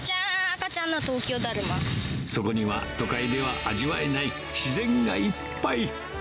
赤ちゃそこには、都会では味わえない自然がいっぱい。